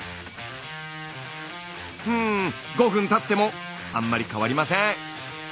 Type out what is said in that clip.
ん５分たってもあんまり変わりません。